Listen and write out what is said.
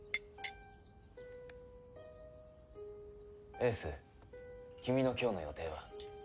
英寿君の今日の予定は？